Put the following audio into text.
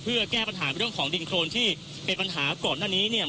เพื่อแก้ปัญหาเรื่องของดินโครนที่เป็นปัญหาก่อนหน้านี้เนี่ย